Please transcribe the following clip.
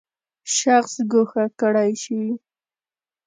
شخص ګوښه کړی شي.